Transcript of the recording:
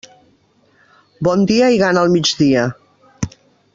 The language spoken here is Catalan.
Bon dia i gana al migdia.